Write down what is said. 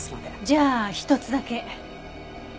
じゃあ一つだけ。